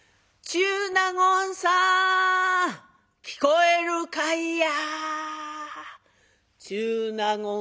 「中納言さん聞こえるかいや！」。